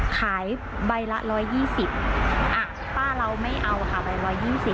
ขายใบละ๑๒๐อ่ะป้าเราไม่เอาค่ะใบ๑๒๐